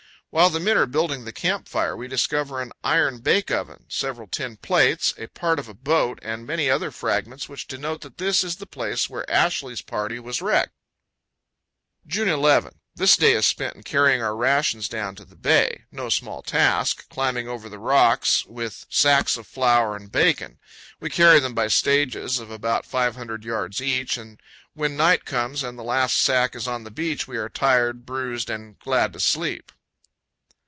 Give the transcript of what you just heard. While the men are building the camp fire, we discover an iron bake oven, several tin plates, a part of a boat, and many other fragments, which denote that this is the place where Ashley's party was wrecked. June 11. This day is spent in carrying our rations down to the bay no small task, climbing over the rocks with sacks of flour and bacon. We carry them by stages of about 500 yards each, and when night comes and the last sack is on the beach, we are tired, bruised, and glad to sleep.